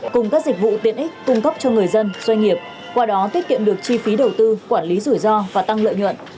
cùng các dịch vụ tiện ích cung cấp cho người dân doanh nghiệp qua đó tiết kiệm được chi phí đầu tư quản lý rủi ro và tăng lợi nhuận